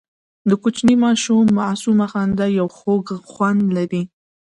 د کوچني ماشوم معصومه خندا یو خوږ خوند لري.